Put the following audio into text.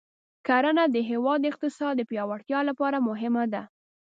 کرنه د هېواد د اقتصاد د پیاوړتیا لپاره مهمه ده.